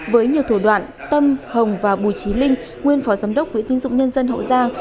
với nhiều thủ đoạn tâm hồng và bùi trí linh nguyên phó giám đốc quỹ tín dụng nhân dân hậu giang